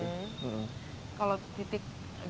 kalau titik gagal yang waktu itu paling memorable